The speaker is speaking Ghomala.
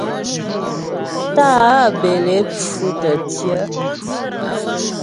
Tá'ǎ bə́ é lé pfʉ tə́ tyɛ̌'.